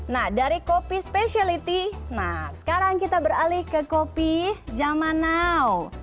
nah dari kopi specialty nah sekarang kita beralih ke kopi zaman now